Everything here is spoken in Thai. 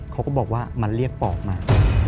เขาก็บอกว่ามันเรียกปอกมา